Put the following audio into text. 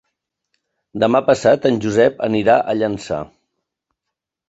Demà passat en Josep anirà a Llançà.